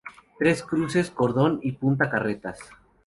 Tres Cruces, Cordón y Punta Carretas.